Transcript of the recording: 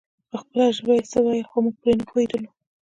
په خپله ژبه يې څه ويل خو موږ پرې نه پوهېدلو.